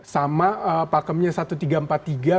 sama pakemnya satu tiga empat tiga